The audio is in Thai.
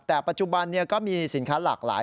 แต่ปัจจุบันก็มีสินค้าหลากหลาย